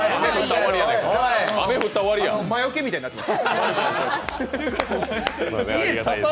魔よけみたいになってます。